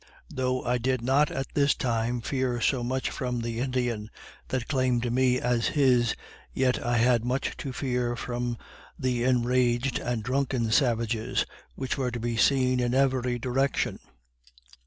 Though I did not at this time fear so much from the Indian that claimed me as his, yet I had much to fear from the enraged and drunken savages which were to be seen in every direction.